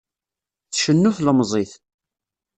Tcennu tlemẓit.